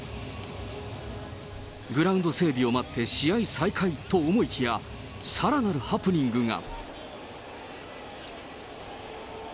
グラウンド整備を待って試合再開と思いきや、さらなるハプニングが。